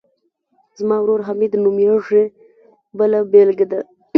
زما ورور حمید نومیږي بله بېلګه ده.